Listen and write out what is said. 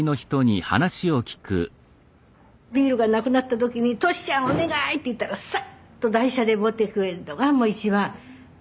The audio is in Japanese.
ビールがなくなった時に「利ちゃんお願い！」って言ったらスッと台車で持ってくれるのがもう一番感謝。